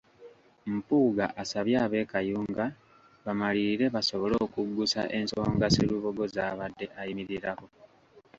Mpuuga asabye ab’e Kayunga bamalirire basobole okuggusa ensonga Sserubogo z’abadde ayimirirako.